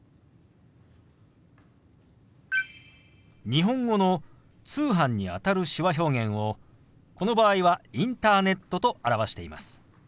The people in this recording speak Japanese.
日本語の「通販」にあたる手話表現をこの場合は「インターネット」と表しています。